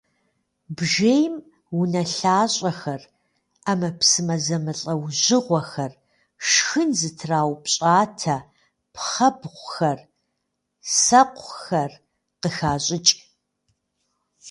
Бжейм унэлъащӏэхэр, ӏэмэпсымэ зэмылӏэужьыгъуэхэр, шхын зытраупщӏатэ пхъэбгъухэр, сэкъухэр къыхащӏыкӏ.